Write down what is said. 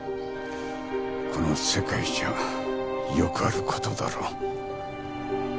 この世界じゃよくあることだろう。